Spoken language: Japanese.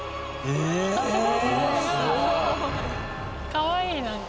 かわいいなんか。